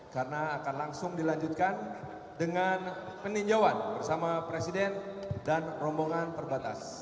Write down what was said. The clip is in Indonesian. karena akan langsung dilanjutkan dengan peninjauan bersama presiden dan rombongan perbatas